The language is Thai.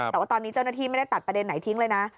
แต่ว่าตอนนี้เจ้าหน้าที่ไม่ได้ตัดประเด็นไหนทิ้งเลยนะ